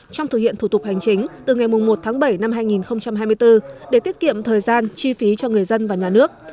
trong thực hiện thủ tục hành chính từ ngày một tháng bảy năm hai nghìn hai mươi bốn để tiết kiệm thời gian chi phí cho người dân và nhà nước